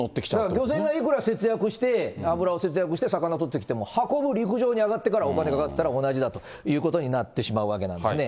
漁船がいくら節約して、油を節約して魚取ってきても、運ぶ陸上に上がってからお金がかかってたら同じだということになってしまうわけなんですね。